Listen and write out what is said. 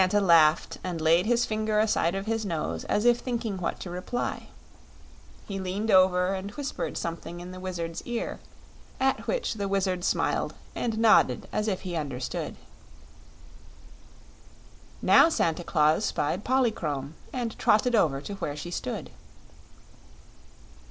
Santa laughed and laid his finger aside of his nose as if thinking what to reply. He leaned over and whispered something in the Wizard's ear, at which the Wizard smiled and nodded as if he understood. Now Santa Claus spied Polychrome, and trotted over to where she stood.